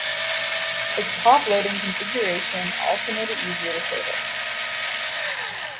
Its top loading configuration also made it easier to service.